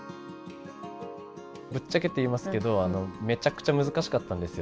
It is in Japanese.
ぶっちゃけて言いますけどめちゃくちゃ難しかったんですよ。